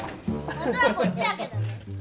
本当はこっちだけどね。